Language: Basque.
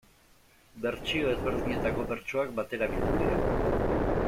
Bertsio ezberdinetako bertsoak batera bildu dira.